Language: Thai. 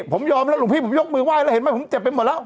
ผมยอมแล้วหลวงพี่ผมยกมือไห้แล้วเห็นไหมผมเจ็บไปหมดแล้ว